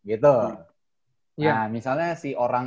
gitu nah misalnya si orang